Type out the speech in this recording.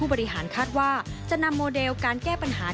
บริหารคาดว่าจะนำโมเดลการแก้ปัญหา